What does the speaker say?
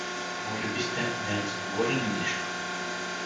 — Може би сте неразположени нещо?